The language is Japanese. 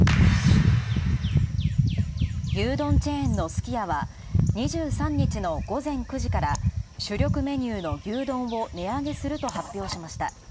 牛丼チェーンのすき屋は、２３日の午前９時から主力メニューの牛どんぶりを値上げすると発表しました。